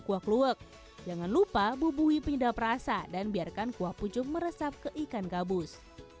kuah kluwek jangan lupa bubui pindah perasa dan biarkan kuah pucung meresap ke ikan gabus